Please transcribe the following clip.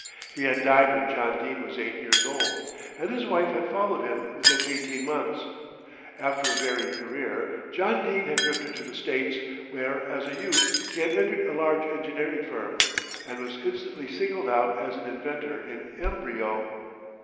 He had died when John Dene was eight years old, and his wife had followed him within eighteen months. After a varied career John Dene had drifted to the States, where as a youth he had entered a large engineering firm, and was instantly singled out as an inventor in embryo.